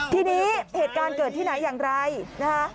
ทีนี้เหตุการณ์เกิดที่ไหนอย่างไรนะคะ